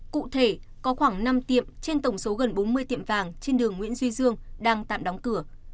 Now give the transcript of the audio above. cụ thể có khoảng năm tiệm trên tổng số gần bốn mươi tiệm vàng trên đường nguyễn duy dương đang tạm đóng cửa